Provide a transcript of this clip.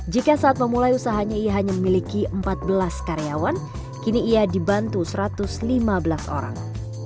jika saat memulai usahanya ia hanya memiliki empat belas karyawan kini ia dibantu satu ratus lima belas orang